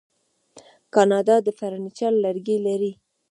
کاناډا د فرنیچر لرګي لري.